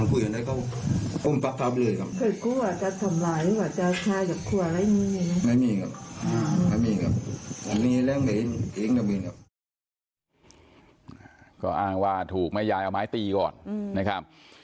นั่งคุยกันคุกเหยียบกับ